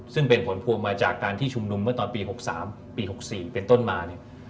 ซึ่งเป็นผลพวงมาจากการที่ชุมนุมเมื่อตอนปี๖๓ปี๖๔เป็นต้นมาเนี่ย